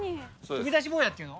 飛び出し坊やっていうの？